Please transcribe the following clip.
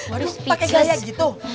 waduh pakai kaya gitu